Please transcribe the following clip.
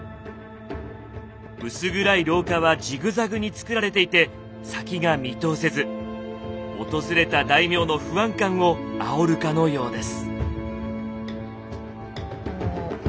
薄暗い廊下はジグザグに作られていて先が見通せず訪れた大名の不安感をあおるかのようです。